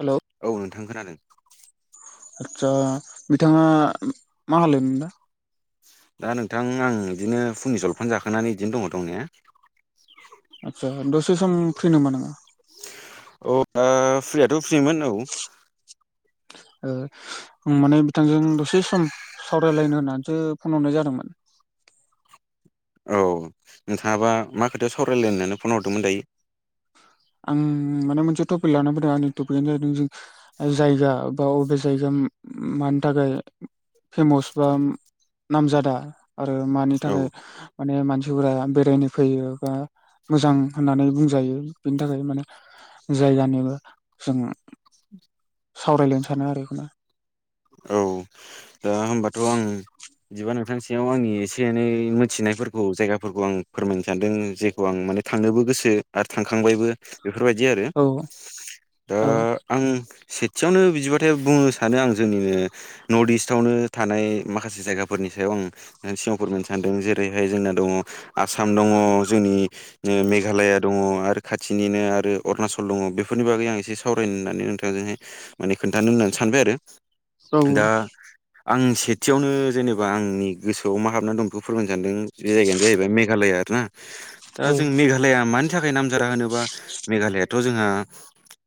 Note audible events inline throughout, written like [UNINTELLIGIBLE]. हाल' औ नोंथां खोनादों आदसा बिथाङा मा खालायदों दा? दा नोंथां आं बिदिनो फुंनि जलफान जाखांनानै बिदिनो दङ दंनाया। आदसा दसे सम फ्रि नामा नोङो? औ दा फ्रियाथ' फ्रिमोन औ [INAUDIBLE] ओ ओम माने बिथांजों दसे सम सावरायलायनो होननानैसो फन हरनाय जादोंमोन। औ नोंथाङाबा मा खोथायाव सावरायलायनो होननानै फन हरदोंमोन दायो? आं माने मोनसे टपिक लाना फैदों आंनि टपिकआनो जाहैदों जों जायगा बाव अबे जायगा मानि थाखाय फेमस बा नामजादा आरो मानि औ थाखाय माने मानसिफोरा बेरायनो फैयो बा मोजां होननानै बुंजायो बेनि थाखाय माने जायगानिबो जों सावरायलायनो सानो आरो एखौनो औ दा होमबाथ' आं बिदिबा नोंथांसेयाव आंनि एसे एनै मिथिनायफोरखौ जायगाफोरखौ आं फोरमायनो सानदों जे खौ आं माने थांनोबो गोसो आरो थांखांबायबो बेफोरबायदि आरो औ दा औ आं सेथियावनो बिदिबाथाय बुंनो सानो आं जोंनिनो नर्थ इस्टआवनो थानाय माखासे जायगाफोरनि सायाव आं नोंनि सिगाङाव फोरमायनो सानदों जेरैहाय जोंना दङ आसाम दङ जोंनि नो मेघालया दङ आरो खाथिनिनो आरो अरुणाचल दङ बेफोरनि बागै आं एसे सावरायनो होननानै नोंथांजोंहाय माने खोन्थानो होननानै सानबाय आरो दा औ आं सेथियावनो जेनेबा आंनि गोसोआव मा हाबनानै दं बेखौ फोरमायनो सानदों बे जायगायानो जाहैबाय मेघालया आरोना दा जों औ मेघालया मान थाखाय नामजादा होनोबा मेघालयाथ' जोंहा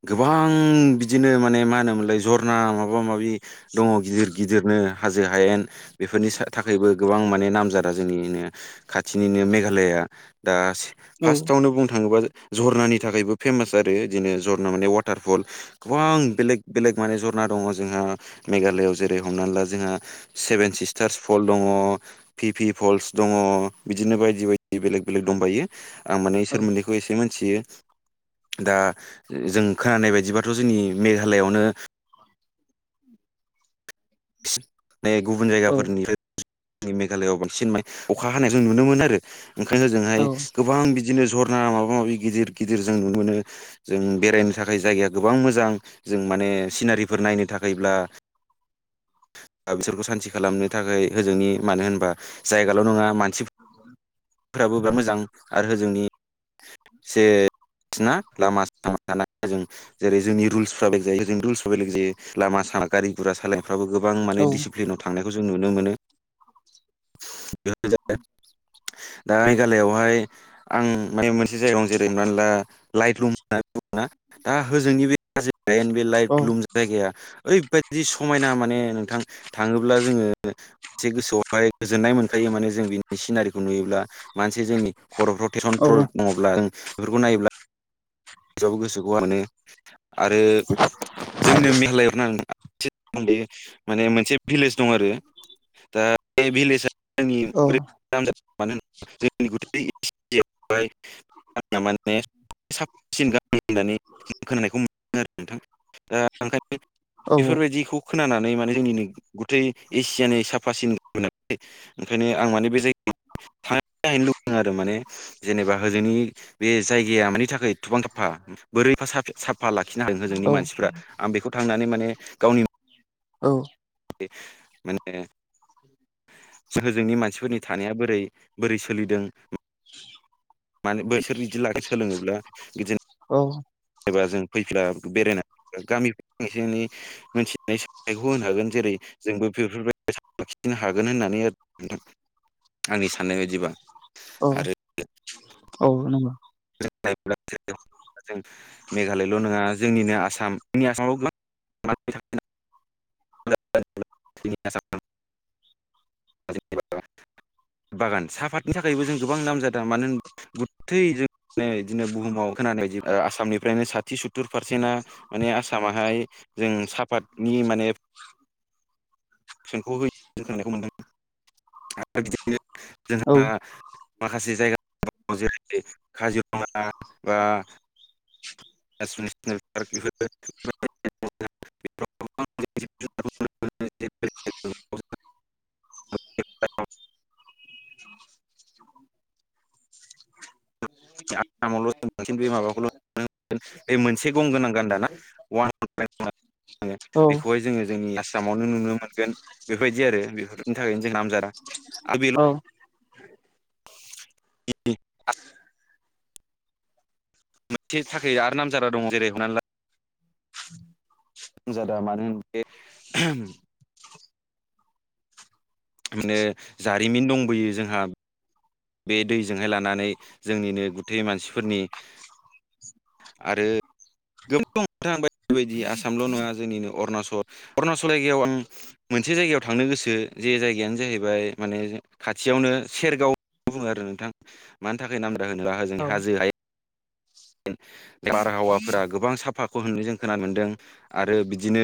गोबां बिदिनो माने मा होनोमोनलाय जरना माबा माबि दङ गिदिर गिदिरनो हाजो हायेन बेफोरनि सा थाखायबो गोबां माने नामजादा जोंनिनो खाथिनिनो मेघालया दा औ फार्स्टआवनो बुंनो थाङोबा झरनानि थाखायबो फेमास आरो इदिनो झरना माने वाटारफल गोबां बेलेग बेलेग माने झरना दङ जोंहा मेघालयआव जेरै- हमनानै ला जोंहा सेभेन सिस्टार्स फल दङ। पि पि फल्स दङ बिदिनो बायदि बायदि बेलेक बेलेग दंबायो आं माने एसोर मोननै बो एसे मोनथियो दा जों खोनानाय बायदिबाथ' जोंनि मेघालयआवनो [UNINTELLIGIBLE] गुबुन जायगाफोरनिबो नि मेघालयआव बांसिन माने अखा हानाय जों नुनो मोनो आरो ओंखायनो ओजोंहाय गोबां बि इदिनो झरना माबा माबि गिदिर गिदिर जों नुनो मोनो। जों बेरायनो थाखाय जायगाया गोबां मोजां जों माने सिनारिफोर नायनो थाखायब्ला [INAUDIBLE] [UNINTELLIGIBLE] बिसोरखौ सान्थि खालामनो थाखाय होजोंनि मानो होनबा जायगाल' नङा मानसि [INAUDIBLE] फोराबो बिराद मोजां आरो होजोंनि [UNINTELLIGIBLE] जेरै- जोंनि रुलसफोरा [UNINTELLIGIBLE] रुलसफोरा बेेलेग जायो लामा सामा गारि गुरा सालायनायफ्राबो गोबां माने डिसिप्लिनाव थांनायखौ जों नुनो मोनो। [UNINTELLIGIBLE] दा मेघालयावहाय आं माने मोनसे जायगायावनो जेरै- हमनानै ला लाइटलुम [UNINTELLIGIBLE] दा होजोंनि बे [UNINTELLIGIBLE] बे लाइटलुम जायगाया ओरैबायदि समायना माने नोंथां थाङोब्ला जोङो एसे गोसोआव [UNINTELLIGIBLE] गोजोननाय मोनखायो माने जों बिनि सिनारिखौ नुयोब्ला मानसि जोंनि खर'फ्राव टेसन [UNINTELLIGIBLE] दङब्ला एफोरखौ नायोब्ला [UNINTELLIGIBLE] गोसोखौ मोनो आरो जोंनो [UNINTELLIGIBLE] [UNINTELLIGIBLE] माने मोनसे भिलेज दं आरो दा बे भिलेजआ [UNINTELLIGIBLE] [UNINTELLIGIBLE] [UNINTELLIGIBLE] खोनानायखौ मोनो आरो नोंथां दा ओंखायनो बेफोरबायदिखौ खोनानानै माने जोंनिनो गथै एसियानि साफासिन [UNINTELLIGIBLE] ओंखायनो आं माने बे [UNINTELLIGIBLE] [UNINTELLIGIBLE] आरो माने जेनेबा होजोंनि बे जायगाया मानि थाखाय थबां साफा बोरै फा सा-साफा लाखिनो हादों होजोंनि मानसिफ्रा आं बेखौ थांनानै माने गावनि औ [UNINTELLIGIBLE] माने होजोंनि मानसिफोरनि थानाया बोरै बोरै सोलिदों [UNINTELLIGIBLE] माने बैसोर बिदि लाखै सोलोङोब्ला बिदिनो औ। एबा जों [UNINTELLIGIBLE] [UNINTELLIGIBLE] होनो हागोन जेरै जोंबो [UNINTELLIGIBLE] हागोन होननानै नोंथां आंनि साननाय बायदिबा। औ आरो औ नंगौ। [UNINTELLIGIBLE] जों मेघालयल' नङा जोंनिनो आसाम जोंनि [UNINTELLIGIBLE] [UNINTELLIGIBLE] [UNINTELLIGIBLE] [UNINTELLIGIBLE] बागान साहाफातनि थाखायबो जों गोबां नाम जादों मानो होन गथै जों नै दिनै बुहुमाव खोनानाय बायदि ओ आसामनिफ्रायनो साथि सु टुर पारसेन्टआ माने आसामावाहाय जों सापातनि माने [UNINTELLIGIBLE] माखासे जायगा [UNINTELLIGIBLE] काजिरङा बा [UNINTELLIGIBLE] [UNINTELLIGIBLE] [UNINTELLIGIBLE] बे मोनसे गं गोनां गानदाना [UNINTELLIGIBLE] [UNINTELLIGIBLE] बेखौहाय जोङो जोंनि आसामावनो नुनो मोनगोन बेफोरबायदि आरो। बेफोरनि थाखायनो जों नामजादा आरो बेल' [UNINTELLIGIBLE] मोनसे थाखाय आरो नामजारा दं जेरै हनानै ला [UNINTELLIGIBLE] नामजादा मानो होन बे माने जारिमिन दंबोयो जोंहा। बे दैजोंहाय लानानै जोंनिनो गुथै मानसिफोरनि आरो [UNINTELLIGIBLE] आसामल' नङा जोंनिनो अरुणाचल अरुणाचल जायगायाव आं मोनसे जायगायाव थांनो गोसो जे जायगायानो जाहैबाय माने खाथियावनो सेरगाव बुङो आरो नोंथां। मानि थाखाय नामदा होनोबा हजों हाजो हाय बारहावाफोरा गोबां साफाखौ होननो जों खोनानो मोनदों आरो बिदिनो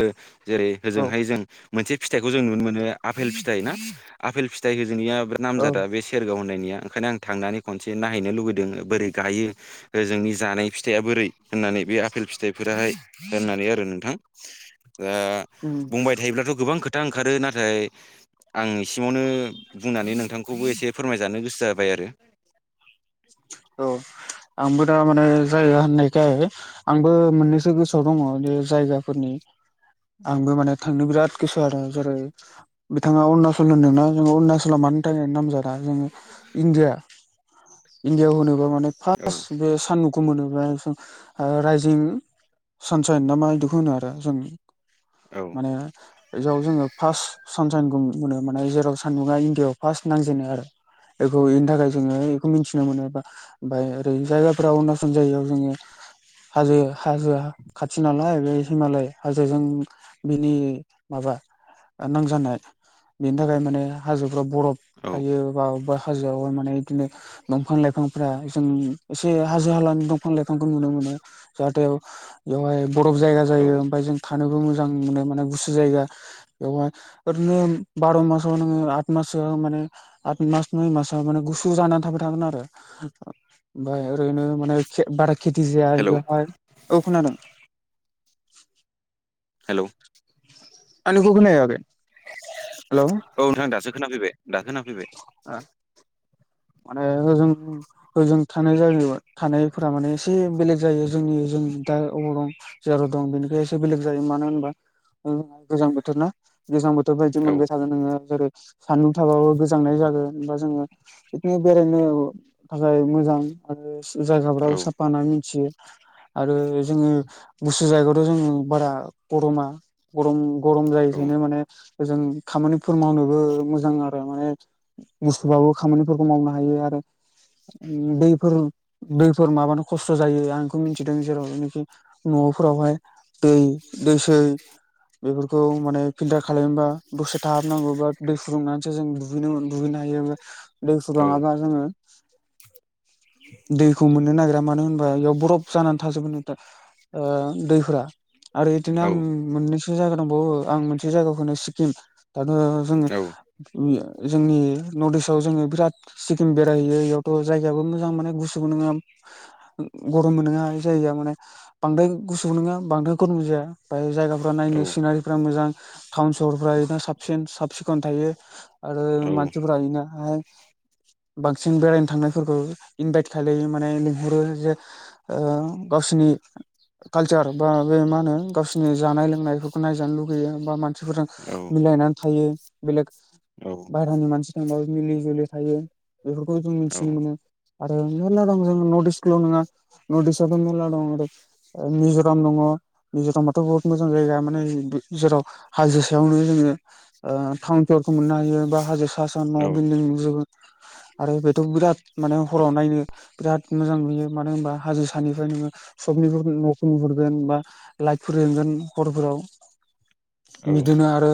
जेरै होजोंहाय जों मोनसे फिथाइखौ जों नुनो मोनो आफपेल फिथाइ ना? आफेल फिथाइ होजोंनिया बिराद नाम जादा बे सेरगाव होननायनिया ओंखायनो आं थांनानै खनसे नायैनो लुुबैदों बोरै गायो जोंनि जानाय फिथाइआ बोरै होननानै बे आपेल फिथाइ फोराहाय होननानै आरो नोंथां। दा बुंबाय थायोब्लाथ' गोबां खो था ओंखारो नाथाय आं एसिमावनो बुंनानै नोंथांखौबो एसे फोरमायजानो गोसो जाबाय आरो। औ आंबो दा माने जाया होननायखाय आंबो मोननैसो गोसोआव दङ बे जायगाफोरनि आंबो माने थांनो बिराद गोसो आरो जेरै बिथाङा अरुणाचल होन्दोंना जों अरुणाचलाव मानो थाखाय नाम जादा? जोङो इण्डिया इण्डियायाव होनोबा माने औ फार्स्ट बे सानदुंखौ मोनोबा ओ राइजिं सानसाइन ना मा इदिखौ होनो आदा जों औ। माने एयाव जोङो फास्ट सानसाइनखौ नुनो मोनो माने जेराव सानदुङा इण्डियाआव फास्ट नांजेनो आरो। बेखौ बेनि थाखाय जोङो मिथिनो मोनोबा ओमफाय ओरै जायगाफोराव अरुणाचल जायगायाव जोङो हाजो हाजोया खाथि नालाय बे हिमालय हाजोजों बिनि माबा ओ नांजानाय बेनि थाखाय माने हाजोफ्राव बरफ औ थायो बा अबेबा हाजोयाव माने बिदिनो दंफां लाइफांफ्रा जों एसे हाजो हालानि दंफां लाइफांखौ नुनो मोनो जाहाथे बेवहाय बरफ जायगा औ जायो ओमफफ्राय जों थानोबो मोजां मोनो माने गुसु जायगा बेवहाय ओरैनो बार' मासाव नोङो आत मासोआव माने आथ मास नय मास माने गुसु जाना थाबा थागोन आरो ओमफाय ओरैनो माने खेब बारा खेथि जाया हेलौ बेयावहाय औ खोनादों। हेलौ आंनिखौ खोनाहैयाखै हेलौ। औ नोंथां दासो खोनाफैबाय दा खोनाफैबाय। माने ओजों ओजों थानाय जायो थानायफोरा माने एसे बेलेग जायो जोंनि जों दा अबाव दं। जेराव दं बेनिखाय एसे बेलेग जायो मानो होनबा गोजां बोथोर ना। गोजां बोथोर बायदि औ मोनबाय थागोन नोङो जेरै सान्दुं थाबाबो गोजांनाय जागोनबा जोङो पिकनिक बेरायनो थाखाय मोजां आरो औ जायगाफ्राबो साफा होना मिथियो आरो जोङो गुसु जायगायावथ' जोङो बारा गरमा गरम गरम औ जायैखायनो माने जों खामानिफोर मावनोबो मोजां आरो माने गुसुबाबो खामानि फोरफोरखौ मावनो हायो आरो दैफोर दैफोर माबानो खस्थ' जायो आं बेखौ मिन्थिदों जेरावनाखि न'फोरावहाय दै दैसोय बेफोरखौ माने फिल्टार खालामबा दसे थाहाबनांगौ बा दै फुदुंनानैसो जों दुगैनो मोन दुगैनो हायो ओमफ्राय दै औ फुदङाबा जोङो दैखौ मोननो नागिरा मानो होनबा बेयाव बरफ जानानै थाजोबो नोंथां ओ दैफोरा आरो एदिनो औ आं मोननै मोनसे जायगा दंबावो आं मोनसे जायगाखौनो सिक्किम दथ' जोङोनि औ उया जोंनि नर्थ इस्टआव जोङो बिराद सिक्किम बेरायहैयो बेयावथ' जायगायाबो मोजां माने गुसुबो नङा गरमबो नङा जायगाया माने बांद्राय गुसु नोङा बांद्राय गरम जाया बाय जायगाफ्रा औ नायनो सिनारिफ्रा मोजां टाउन सहरफ्रा बिना साबसिन साब सिखन थायो। आरो मानसिफोरा इनो हाय बांसिन बेरायनो थांनायफोरखौ इनभाइट खालायो माने लिंहरो जे ओ गावसिनि कालचार बा बे मा होनो गावसिोरनि जानाय लोंनायफोरखौ नायजानो लुगैयो बा मानसिफोरजों औ मिलायनानै थायो बेलेग बाहेरानि मानसि थांबो मिलि जुलि थायो। बेफोरखौ जों मिथिनो मोनो‌। आरो मेरला दं जोङो नर्टिसखौल' नङा नदिसआथ' मेरला दं आरो ओ मिज'राम दङ मिज'रामाथ' बहुत मोजां जायगा माने जेराव हाजो सायावनो जोङो ओ टाउन पेयारखौ मोननो हायो बा हाजो सा सा न' बिलडं नुजोबो आरो बेथ' बिराद माने हराव नायनो बिराद मोजां नुयो मानो होनबा हाजो सानिफ्राय नोङो सबनि न'खौ नुहुरगोन बा लाइटफोर जोंगोन हरफोराव औ बिदिनो आरो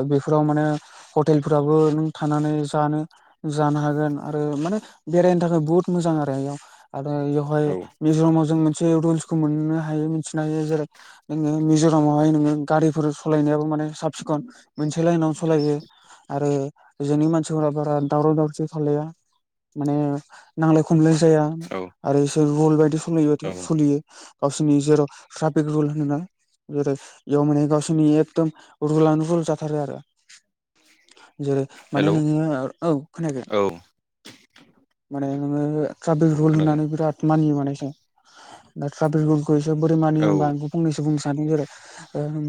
ओ बेफोराव माने हटेलफोराबो नों थानानै जानो जानो हागोन आरो माने बेरायनो थाखाय बहुत मोजां आरो इयाव आरो इयावहाय औ मिज'रामाव जों मोनसे रुलसखौ मोननो हायो मिथिनो हायो जेरै नोङो मिज'रामावहाय नोङो गारिफोर सालायनायाबो माने साब सिखन मोनसे लाइनाव सालायो आरो जोंनि मानसिफोरा बारा दावराव दावसि खालाया माने नांलाय खमलाय जाया आरो इसोर बुल बायदि औ सोलियोबाथाय सोलियो गावसोरनि जेराव ट्राफिक रुल होनोना जेरै इयाव माने गसोरनि एदम रुलानो रुल जाथारो आरो जेरै माने हेलौ नोङो औ खोनागोन औ माने नोङो ट्राफिक औ रुल खोनादों होननानै बिराद मानिय मान एसे दा ट्राफिक रुलखौ एसे बोरै औ मानियो होमबा फंनैसो बुंनो सानो जेरै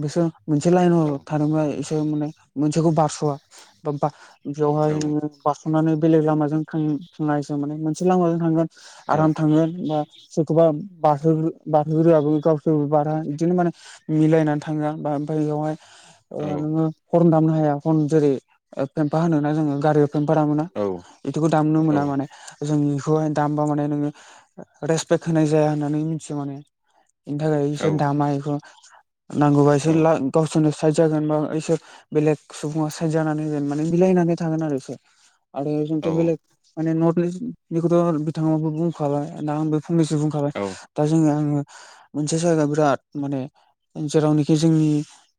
बिसोर मोनसे लाइनाव औ थादोंबा माने मोनसेखौ बारस'आ बा बेयावहाय औ नोङो थांनानै बेलेग लामाजों थ थांसो माने मोनसे लामाजों थांगोन औ आराम थांगोन बा सोरखौबा [UNINTELLIGIBLE] गावसोरबो बारा बिदिनो माने मिलायनानै थाङा ओमफ्राय बेवहाय नोङो हरम दामनो हाया हरम जेरै फेम्फा होनोना जोङो गारि फेम्फा दामोना बेदिखौ दामनो मोना माने जों बेखौहाय दामबा माने नोङो रेसपेक्ट होनाय जाया होननानै मिथियो माने बेनि थाखाय इसोर दामा बेखौ नांगौबा इसोर गावसोरनो सायजागोन बा इसोर बेलेग सुबुङा सायजानानै होगोन माने मिलायनानै थागोन आरो बिसोर आरो जोंथ' बेलेग माने नर्थ इस्टनिखौथ' बिथाङाबो बुंखाबाय दा आंबो फंनैसो बुं [UNINTELLIGIBLE] दा जोङो आङो मोनसे जायगायाव बिराद माने जेरावनोखि जोंनि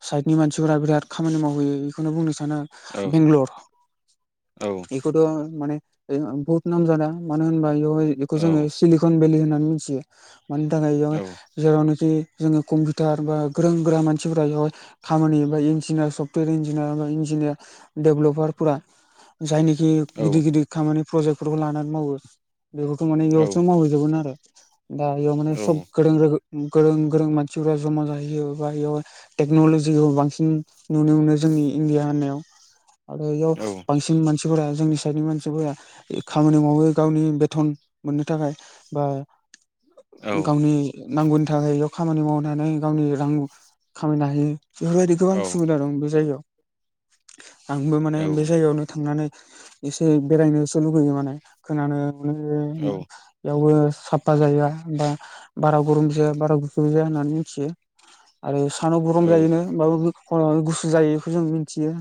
साइडनि मानसिफोरा बिराद खामानि मावहैयो। बेखौनो बुंनो सानो बेंगलर औ बेखौथ' माने बुहुत नामजादा मानो होनबा बे बेखौ जोङो [UNINTELLIGIBLE] खन बेलि होननानै मिथियो मानि थाखाय बेयाव जेरावनोखि जोङो कम्पिउटार बा गोरों गोरा मानसिफोरा बेवहाय खामानि बा इन्जिनियार सफ्टवेर इन्जिनियार बा इन्जिनियार डेभलपारफोरा जायनिखि गिदिर गिदिर खामानि प्रजेक्टफोरखौ लानानै मावो बेखौथ' माने औ बेयावसो मावहैजोबमोन आरो दा बेयाव माने सब [UNINTELLIGIBLE] गोरों गोरों मानसिफ्रा जमा जाहै [UNINTELLIGIBLE] टेक्नलजिखौ बांसिन नुनो मोनो जोंनि इण्डिया होननायाव आरो बेयाव बांसिन मानसिफोरा जोंनि साइडनि मानसिफोरा खामानि मावो गावनि बेथन मोननो थाखाय [UNINTELLIGIBLE] गावनि नांगौनि थाखाय बेयाव खामानि मावनानै गावनि रां खामायनो हायो बेफोरबायदि गोबां सुबिदा दं बे जायगायाव आंबो माने बे दैयावनो थांनानै एसे बेरायनोसो लुुबैयो माने खोनानो बेयावबो साफा जाया बा बारा गरम जाया बारा गुसु जाया होननानै मिथियो आरो सानाव गरम जायोनो होमबाबो खर' गुसु जायो बेखौ जों मिथियो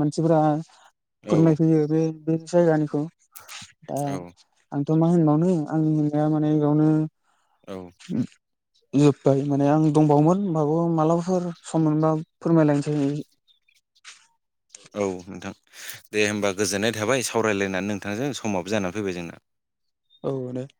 मानसिफोरा फोरमायफैयो बे बे जायगानिखौ दा आंथ' मा होनबावनो आंनि होननाया माने बेयावनो औ उम जोब्बाय माने आं दंबावोमोन माबा मालाबाफोर सम मोनबा फोरमायलायनोसै। औ नोंथां दे होमबा गोजोननाय थाबाय सावरायलायनानै नोंथांजों समाबो जानानै फैबाय जोंना। औ [UNINTELLIGIBLE]